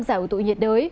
giải hữu tụ nhiệt đới